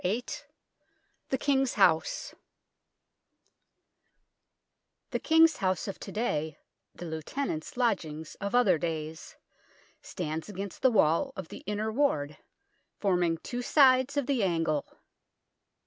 VIII THE KING'S HOUSE THE King's House of to day the Lieutenant's Lodgings of other days stands against the wall of the Inner Ward, forming two sides of the angle.